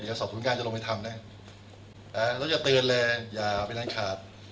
เดี๋ยวสอบทุนงานจะลงไปทำนะแล้วเราจะตื่นเลยอย่าเอาไปร้านขาด